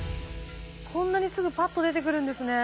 こんなにすぐパッと出てくるんですね。